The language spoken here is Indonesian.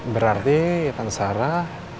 berarti tan sarah